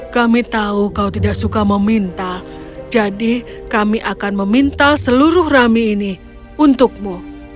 kami tahu kau tidak suka meminta jadi kami akan meminta seluruh rami ini untukmu